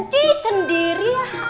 di sendiri ya